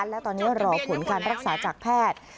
และตอนนี้รอผลการรักษาจากแพทย์